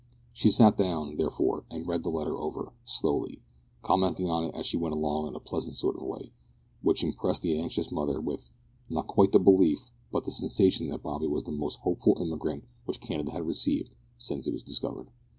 She sat down, therefore, and read the letter over, slowly, commenting on it as she went along in a pleasant sort of way, which impressed the anxious mother with, not quite the belief, but the sensation that Bobby was the most hopeful immigrant which Canada had received since it was discovered.